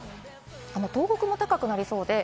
東北も高くなりそうです。